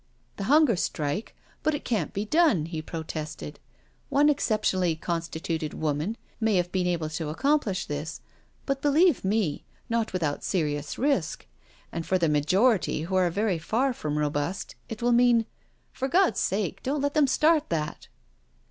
"The Hunger Strike— but it can't be done," he protested. " One exceptionally constituted woman may have been able to accomplish this — but, believe me, not without serious risk — ^and for the majority who are very far from robust, it will mean ... for God's sake, don't let them start that."